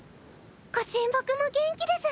ご神木も元気です。